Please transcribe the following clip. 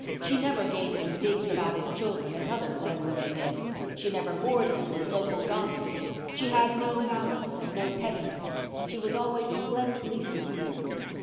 She never gave him digs about his children as other Glen women did; she never bored him with local gossip; she had no malice and no pettiness. She was always splendidly sincere.